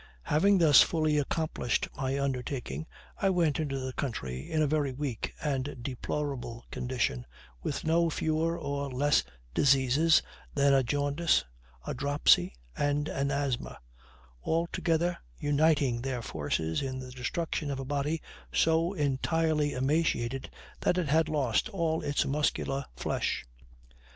Having thus fully accomplished my undertaking, I went into the country, in a very weak and deplorable condition, with no fewer or less diseases than a jaundice, a dropsy, and an asthma, altogether uniting their forces in the destruction of a body so entirely emaciated that it had lost all its muscular flesh.